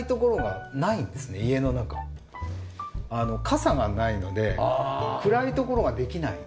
傘がないので暗いところができない。